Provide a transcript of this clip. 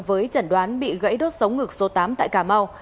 với chẩn đoán bị gãy đốt sống ngực số tám tại cà mau